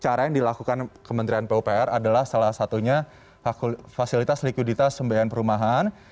cara yang dilakukan kementerian pupr adalah salah satunya fasilitas likuiditas pembayaran perumahan